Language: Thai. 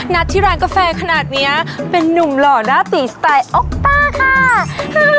ที่ร้านกาแฟขนาดนี้เป็นนุ่มหล่อหน้าตีสไตล์ออกต้าค่ะ